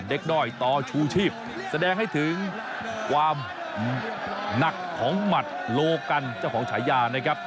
ด้อยต่อชูชีพแสดงให้ถึงความหนักของหมัดโลกันเจ้าของฉายานะครับ